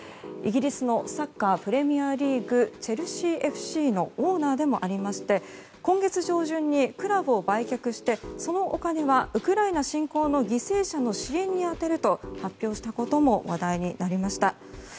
イギリスのサッカープレミアリーグチェルシーＦＣのオーナーでもありまして今月上旬にクラブを売却してそのお金はウクライナ侵攻の犠牲者の支援に充てると発表したことも話題になりました。